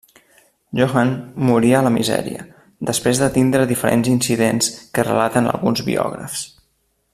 Johann morí en la misèria, després de tindre diferents incidents que relaten alguns biògrafs.